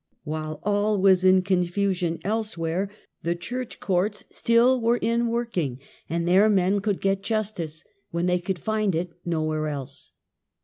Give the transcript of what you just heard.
While all was confusion elsewhere, the church courts l6 THE CHURCH'S STRENGTH. Still were in working, and there men could get justice, when they could find it nowhere else.